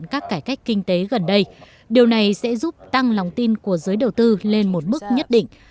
đảng này cũng có thể tiếp tục thực hiện các cải cách kinh tế gần đây điều này sẽ giúp tăng lòng tin của giới đầu tư lên một mức nhất định